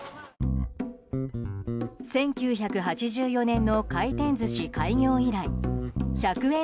１９８４年の回転寿司開業以来１００円